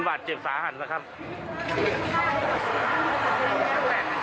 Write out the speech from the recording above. วัดเจ็บสาหันษ์นะครับ